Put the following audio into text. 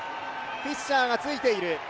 フィッシャーがついている。